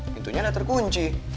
pintunya enggak terkunci